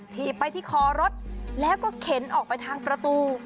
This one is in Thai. ถีบไปที่คอรถแล้วก็เข็นออกไปทางประตู